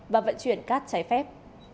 và vận chuyển cát trái phép